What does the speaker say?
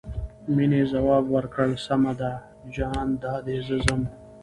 مينې ځواب ورکړ سمه ده جان دادی زه ځم.